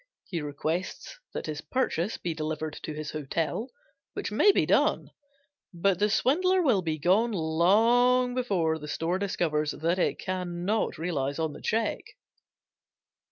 He requests that his purchase be delivered to his hotel, which may be done, but the swindler will be gone long before the store discovers that it can not realize on the check.